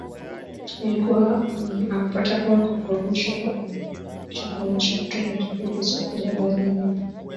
ilikuwa imputable kwa rushwa inadaiwa alichukua rushwa kutoka jockeys disc kukuza baadhi ya nyimbo